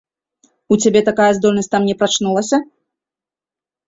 У цябе такая здольнасць там не прачнулася?